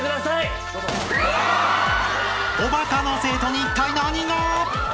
［おバカの生徒にいったい何が！？］